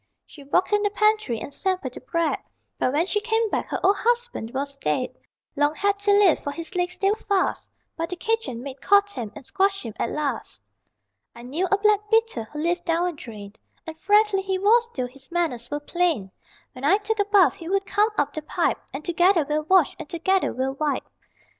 She walked in the pantry and sampled the bread, But when she came back her old husband was dead: Long had he lived, for his legs they were fast, But the kitchen maid caught him and squashed him at last. NURSERY RHYMES FOR THE TENDER HEARTED IV I knew a black beetle, who lived down a drain, And friendly he was though his manners were plain; When I took a bath he would come up the pipe, And together we'd wash and together we'd wipe.